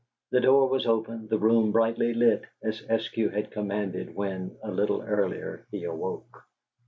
The door was open, the room brightly lighted, as Eskew had commanded when, a little earlier, he awoke.